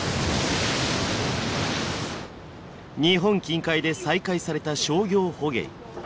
日本近海で再開された商業捕鯨。